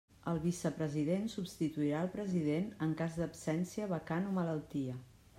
El vicepresident substituirà el president en cas d'absència, vacant, o malaltia.